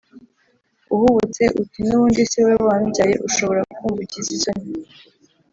uhubutse uti n ubundi si wowe wambyaye Ushobora kumva ugize isoni